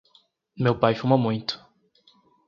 Meu pai fuma muito.